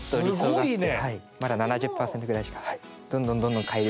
すごいね。